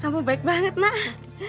kamu baik banget nak